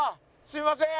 すいません。